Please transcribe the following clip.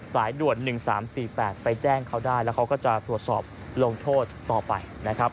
สายด่วน๑๓๔๘ไปแจ้งเขาได้แล้วเขาก็จะตรวจสอบลงโทษต่อไปนะครับ